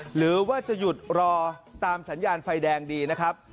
หรือว่าจะหยุดรอตามสัญญาณไฟแดงดีนะครับ